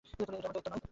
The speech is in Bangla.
এটা আমাদের দায়িত্ব নয়।